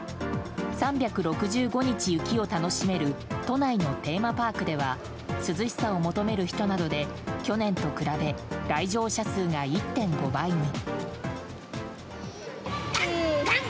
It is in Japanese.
３６５日、雪を楽しめる都内のテーマパークでは涼しさを求める人などで去年と比べ来場者数が１．５倍に。